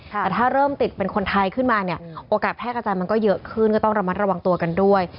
แต่ถ้าเริ่มติดเป็นคนไทยขึ้นมาเนี่ยโอกาสแพร่กระจายมันก็เยอะขึ้นก็ต้องระมัดระวังตัวกันด้วย